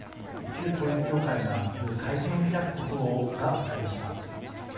旧統一教会が明日会見を開くことが分かりました。